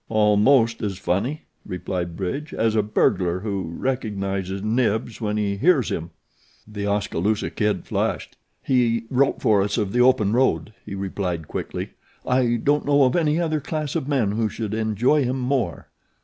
"Almost as funny," replied Bridge, "as a burglar who recognizes Knibbs when he hears him." The Oskaloosa Kid flushed. "He wrote for us of the open road," he replied quickly. "I don't know of any other class of men who should enjoy him more."